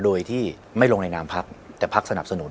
โดยที่ไม่ลงในนามพักแต่พักสนับสนุน